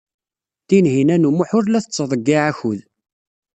Tinhinan u Muḥ ur la tettḍeyyiɛ akud.